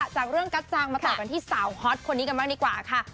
จากเรื่องกัจจังมาต่อกันที่สาวฮอตคนนี้กันบ้างดีกว่าค่ะ